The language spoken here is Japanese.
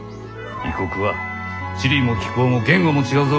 異国は地理も気候も言語も違うぞ。